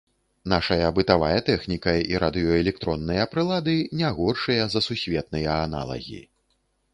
Нашая бытавая тэхніка і радыёэлектронныя прылады не горшыя за сусветныя аналагі.